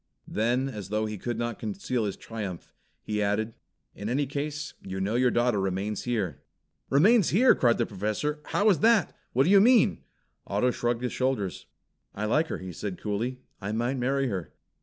Then as though he could not conceal his triumph, he added, "In any case, you know your daughter remains here." "Remains here?" cried the Professor. "How is that? What do you mean?" Otto shrugged his shoulders. "I like her," he said coolly. "I might marry her.